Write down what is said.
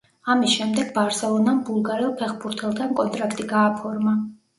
ამის შემდეგ „ბარსელონამ“ ბულგარელ ფეხბურთელთან კონტრაქტი გააფორმა.